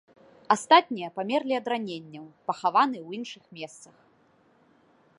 Астатнія памерлі ад раненняў пахаваны ў іншых месцах.